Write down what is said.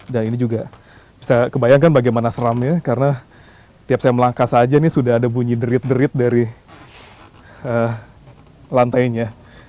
dan ini juga bisa kebayangkan bagaimana seramnya karena tiap saya melangkah saja ini sudah ada bunyi derit derit dari lantainya